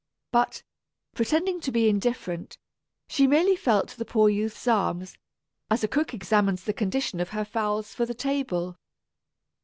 But, pretending to be indifferent, she merely felt the poor youth's arms, as a cook examines the condition of her fowls for the table.